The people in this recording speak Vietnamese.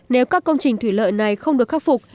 nếu các công trình thủy lợi này không được khắc phục